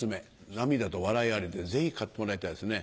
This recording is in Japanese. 涙と笑いありでぜひ買ってもらいたいですね。